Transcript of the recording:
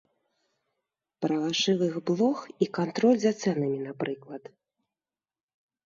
Пра вашывых блох і кантроль за цэнамі, напрыклад.